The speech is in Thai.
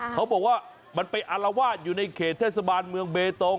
เขาบอกว่ามันไปอารวาสอยู่ในเขตเทศบาลเมืองเบตง